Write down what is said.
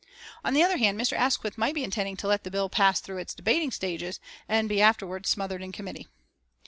On the other hand Mr. Asquith might be intending to let the bill pass through its debating stages and be afterwards smothered in committee.